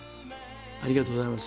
ありがとうございます。